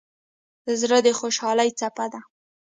زړه د خوشحالۍ څپه ده.